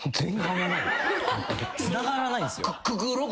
・つながらないんですよ。